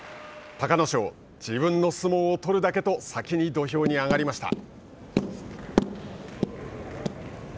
隆の勝、自分の相撲を取るだけと先に土俵に上がりました。